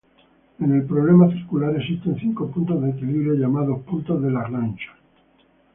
En el problema circular, existen cinco puntos de equilibrio llamados puntos de Lagrange.